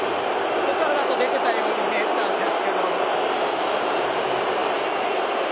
ここから見ると出ているように見えたんですけど。